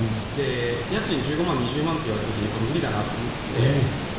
家賃１５万、２０万と言われた時に無理だなと思って。